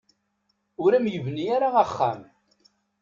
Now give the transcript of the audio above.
Ur am-yebni ara axxam.